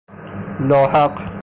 لاحق